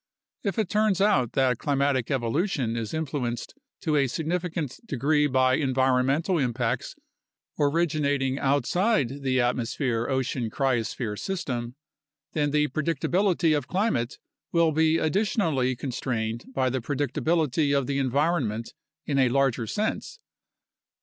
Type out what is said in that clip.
If it turns out that climatic evolution is influenced to a significant degree by environmental impacts originating outside the atmosphere ocean cryosphere system, then the predictability of climate will be additionally constrained by the predictability of the environment in a larger sense.